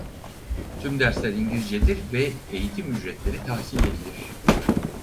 Tüm dersler İngilizce'dir ve eğitim ücretleri tahsil edilir.